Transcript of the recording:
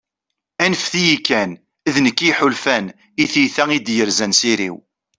anfet-iyi kan, d nekk i yeḥulfan, i tyita i d-yerzan s iri-w